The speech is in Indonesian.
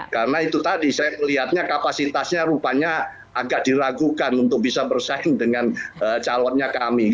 karena itu tadi saya melihatnya kapasitasnya rupanya agak diragukan untuk bisa bersaing dengan calonnya kami